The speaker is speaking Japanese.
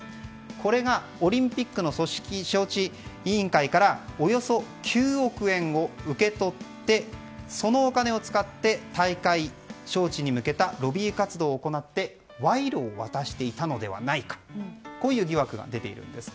これがオリンピックの招致委員会からおよそ９億円を受け取ってそのお金を使って大会招致に向けたロビー活動を行って、賄賂を渡していたのではないかという疑惑が出ているんです。